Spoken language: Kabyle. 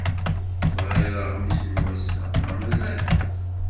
Teɣriḍ aɣmis n wass-a neɣ mazal?